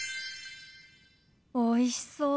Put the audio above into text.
おいしそう。